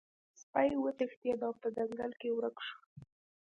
سپی وتښتید او په ځنګل کې ورک شو.